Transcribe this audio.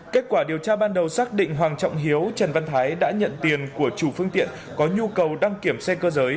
kết quả điều tra ban đầu xác định hoàng trọng hiếu trần văn thái đã nhận tiền của chủ phương tiện có nhu cầu đăng kiểm xe cơ giới